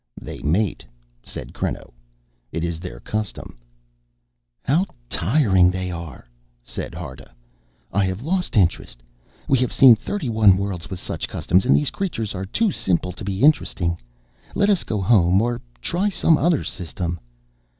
"They mate," said Creno. "It is their custom." "How tiring they are," said Harta. "I have lost interest. We have seen thirty one worlds with such customs and these creatures are too simple to be interesting. Let us go home or try some other system."